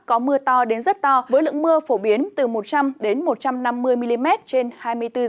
có mưa to đến rất to với lượng mưa phổ biến từ một trăm linh một trăm năm mươi mm trên hai mươi bốn h